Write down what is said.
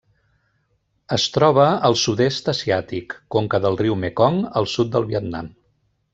Es troba al Sud-est asiàtic: conca del riu Mekong al sud del Vietnam.